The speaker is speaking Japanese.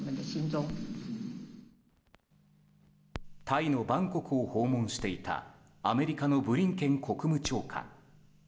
タイのバンコクを訪問していたアメリカのブリンケン国務長官。